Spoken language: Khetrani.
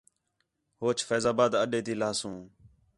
ہوچ فیض آباد اڈے تی لہسوں